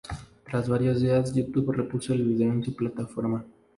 Tras varios días, youtube repuso el vídeo en su plataforma.